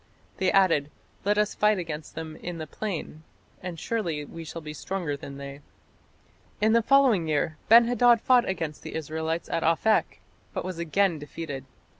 They added: "Let us fight against them in the plain, and surely we shall be stronger than they". In the following year Ben hadad fought against the Israelites at Aphek, but was again defeated.